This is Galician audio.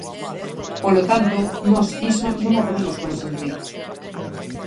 Polo tanto, nós iso non o podemos consentir.